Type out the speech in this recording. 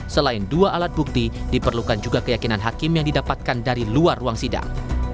selain dua alat bukti diperlukan juga keyakinan hakim yang didapatkan dari luar ruang sidang